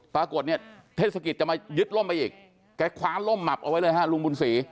ปรากฏเนี่ยเทศกิจจะมายึดล่มไปอีกแกคว้าล่มหมับเอาไว้เลยฮะลุงบุญศรี